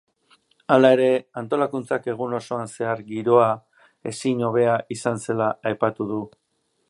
Hala ere antolakuntzak egun osoan zehar giroa ezin hobea izan zela aipatu du.